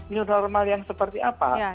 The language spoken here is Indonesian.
new normal yang seperti apa